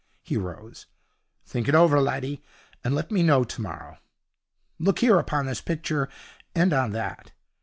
He rose. 'Think it over, laddie, and let me know tomorrow. Look here upon this picture, and on that.